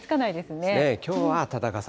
きょうは暖かさ